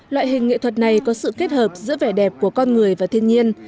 loại hình nghệ thuật này có sự kết hợp giữa vẻ đẹp của con người và thiên nhiên